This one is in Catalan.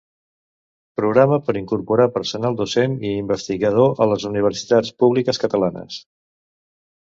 Programa per incorporar personal docent i investigador a les universitats públiques catalanes.